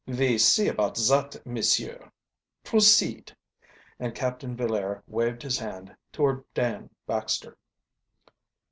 "Ve see about zat, monsieur. Proceed," and Captain Villaire waved his hand toward Dan Baxter.